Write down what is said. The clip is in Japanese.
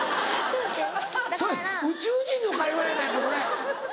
それ宇宙人の会話やないかそれ！